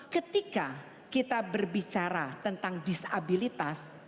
ketika kita berbicara tentang disabilitas